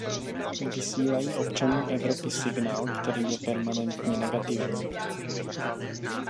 Vysílají občanům Evropy signál, který je permanentně negativní.